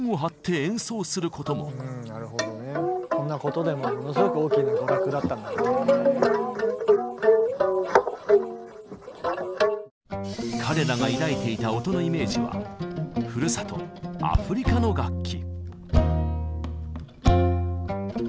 うんなるほどねこんなことでもものすごく彼らが抱いていた音のイメージはふるさとアフリカの楽器。